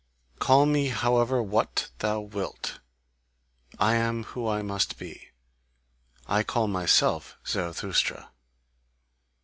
Call me however what thou wilt I am who I must be. I call myself Zarathustra.